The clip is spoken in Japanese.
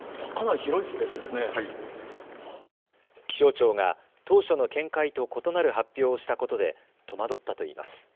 気象庁が当初の見解と異なる発表をしたことで戸惑ったといいます。